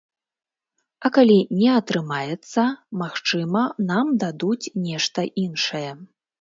А калі не атрымаецца, магчыма нам дадуць нешта іншае.